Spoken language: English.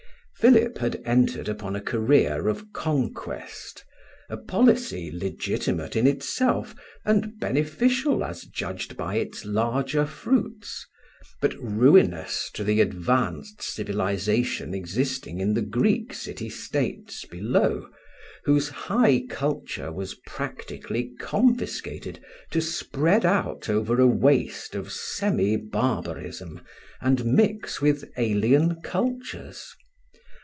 Philip had entered upon a career of conquest; a policy legitimate in itself and beneficial as judged by its larger fruits, but ruinous to the advanced civilization existing in the Greek City States below, whose high culture was practically confiscated to spread out over a waste of semi barbarism and mix with alien cultures.